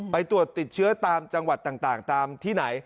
ไปตรวจติดเชื้อตามจังหวัดต่างตามที่ไหน